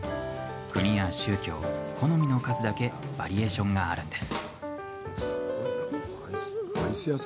国や宗教、好みの数だけバリエーションがあるんです。